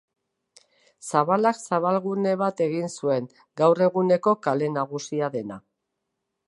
Zabalak zabalgune bat egin zuen, gaur eguneko kale nagusia dena.